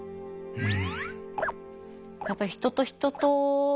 うん。